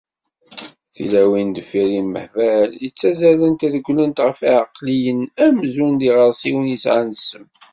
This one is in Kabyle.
Tilawin deffir imehbal i ttazzalent ; regglent ɣef iεeqliyen amzun d iɣersiwen yesεan ssem.